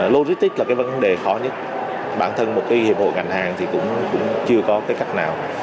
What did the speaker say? logistics là cái vấn đề khó nhất bản thân một cái hiệp hội ngành hàng thì cũng chưa có cái cách nào